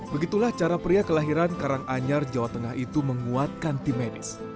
begitulah cara pria kelahiran karanganyar jawa tengah itu menguatkan tim medis